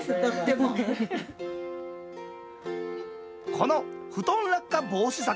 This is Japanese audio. この布団落下防止柵。